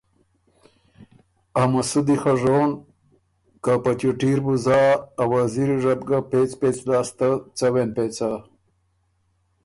امسُودی خه ژون، که په چُوټي ر بُو زا، ا وزیري ره بو ګۀ پېڅ پېڅ لاسته څوېن پېڅه،